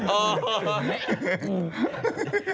โอ๊ย